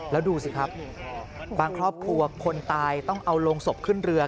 แล้วดูสิครับบางครอบครัวคนตายต้องเอาโรงศพขึ้นเรือ